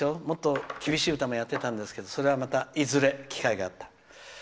もっと厳しい歌もやってたんですけどそれはまたいずれ機会があったら。